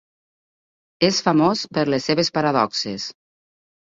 És famós per les seves paradoxes.